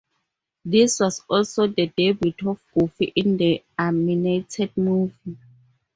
This was also the debut of Goofy in the animated movie.